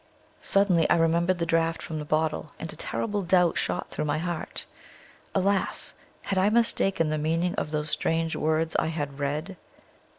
Suddenly I remembered the draught from the bottle, and a terrible doubt shot through my heart. Alas! had I mistaken the meaning of those strange words I had read?